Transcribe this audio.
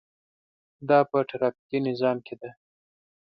دا په ټرافیکي نظام کې ده.